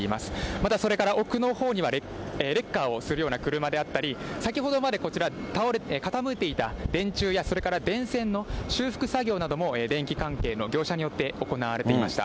またそれから奥のほうには、レッカーをするような車であったり、先ほどまでこちら、傾いていた電柱や、それから電線の修復作業なども、電気関係の業者によって行われていました。